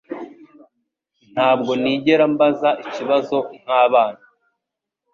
Ntabwo nigera mbaza ikibazo nkabana.